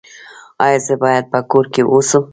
ایا زه باید په کور کې اوسم؟